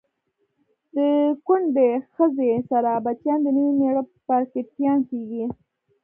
د کونډی خځی سره بچیان د نوي میړه پارکټیان کیږي